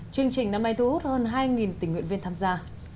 chương trình năm nay thu hút hơn hai tình nguyện viên tham gia